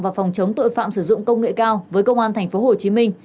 và phòng chống tội phạm sử dụng công nghệ cao với công an tp hcm